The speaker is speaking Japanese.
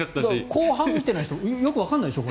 後半見てないとよくわからないでしょ？